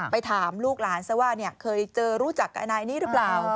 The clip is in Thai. ไปถามลูกหลานซะว่าเคยเจอรู้จักกับนายนี้หรือเปล่า